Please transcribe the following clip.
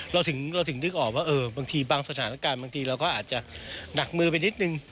เราถึงนึกออกว่าบางทีบางสถานการณ์บางทีเราก็อาจจะดักมือไปนิดนึง